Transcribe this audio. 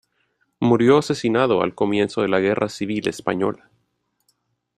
Murió asesinado al comienzo de la Guerra Civil Española.